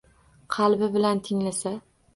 Qalbi bilan tinglasa.